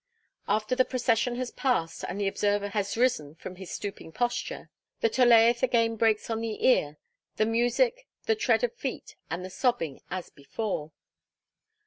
After the procession has passed, and the observer has risen from his stooping posture, the Tolaeth again breaks on the ear, the music, the tread of feet, and the sobbing, as before.